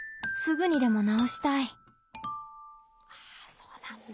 そうなんだ。